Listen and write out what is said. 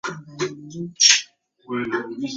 Campbell was born in Hawera, Taranaki.